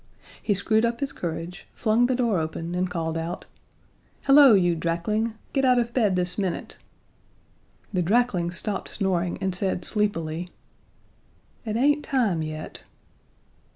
He screwed up his courage, flung the door open, and called out: "Hello, you drakling. Get out of bed this minute." The drakling stopped snoring and said sleepily: "It ain't time yet."